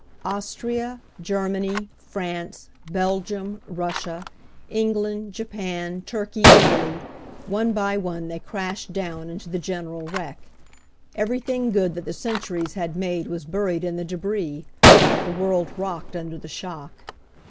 Austria, Germany, France, Belgium, Russia, England, Japan, Turkey, Italy — one by one they crashed down into the general wreck. Every thing good that the centuries had made was bur ied in the debris. The world rocked under the shock.